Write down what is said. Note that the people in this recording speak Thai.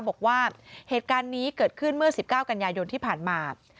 บอกว่าเหตุการณ์นี้เกิดขึ้นเมื่อ๑๙กันยายนที่ผ่านมา